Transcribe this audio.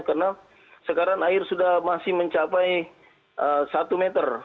karena sekarang air sudah masih mencapai satu meter